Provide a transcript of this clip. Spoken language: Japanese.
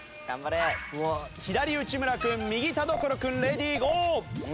左内村君右田所君レディーゴー！